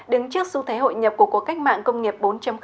đứng trước xu thế hội nhập của cuộc cách mạng công nghiệp bốn